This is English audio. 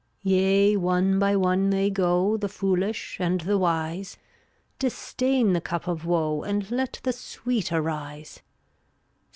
362 Yea, one by one they go, The foolish and the wise; Disdain the cup of woe And let the sweet arise.